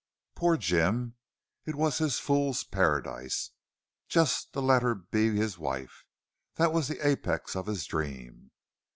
Poor Jim! It was his fool's paradise. Just to let her be his wife! That was the apex of his dream.